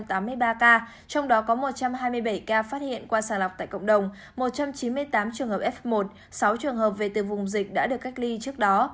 trong đó có một trăm hai mươi bảy ca phát hiện qua sàng lọc tại cộng đồng một trăm chín mươi tám trường hợp f một sáu trường hợp về từ vùng dịch đã được cách ly trước đó